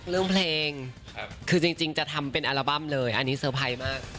เรื่องเพลงคือจริงจะทำเป็นอัลบั้มเลยอันนี้เซอร์ไพรส์มาก